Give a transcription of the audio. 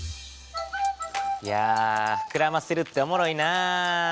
いやふくらませるっておもろいな。